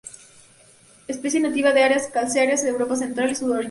Especie nativa de áreas calcáreas de Europa central y sudoriental.